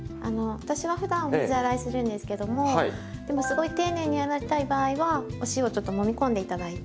私はふだん水洗いするんですけどもすごい丁寧に洗いたい場合はお塩をちょっともみこんで頂いて。